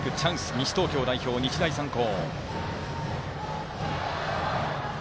西東京代表、日大三高。